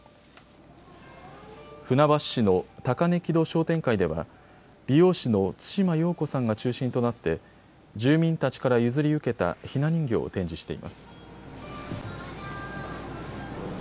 船橋市の高根木戸商店会では美容師の對馬陽子さんが中心となって住民たちから譲り受けたひな人形を展示しています。